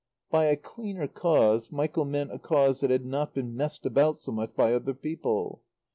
By a cleaner cause Michael meant a cause that had not been messed about so much by other people.